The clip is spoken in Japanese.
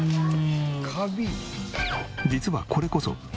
実はこれこそ何？